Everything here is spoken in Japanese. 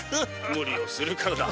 無理をするからだ。